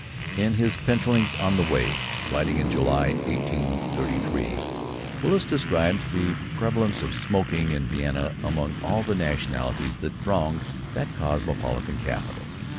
In his "Pencillings by the Way," writing in July 1833, Willis describes the prevalence of smoking in Vienna among all the nationalities that thronged that cosmopolitan capital.